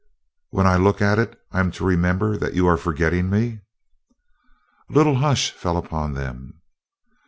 "When I look at it I'm to remember that you are forgetting me?" A little hush fell upon them.